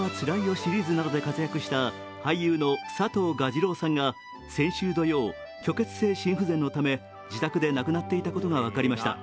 シリーズなどで活躍した俳優の佐藤蛾次郎さんが先週土曜、虚血性心不全のため、自宅で亡くなっていたことが分かりました。